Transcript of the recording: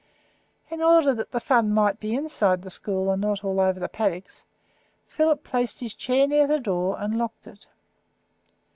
In order that the fun might be inside the school and not all over the paddocks, Philip placed his chair near the door, and locked it.